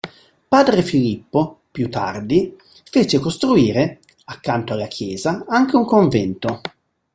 Padre Filippo, più tardi, fece costruire, accanto alla chiesa, anche un convento.